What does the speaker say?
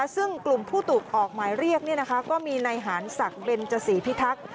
ซึ่งกลุ่มผู้ถูกออกหมายเรียกก็มีในหารศักดิ์เบนจสีพิทักษ์